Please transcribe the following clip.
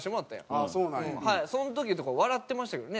その時とか笑ってましたけどね